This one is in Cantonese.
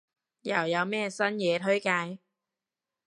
又有咩新嘢推介？